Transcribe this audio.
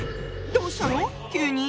どうしたの⁉急に。